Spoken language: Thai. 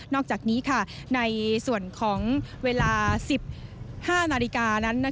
อกจากนี้ในส่วนของเวลา๑๕นาฬิกานั้น